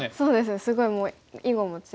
すごいもう囲碁も強くて。